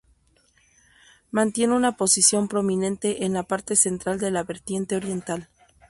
Mantiene una posición prominente en la parte central de la vertiente oriental.